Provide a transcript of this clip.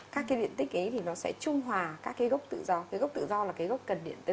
các điện tích ấy sẽ trung hòa các gốc tự do gốc tự do là gốc cần điện tử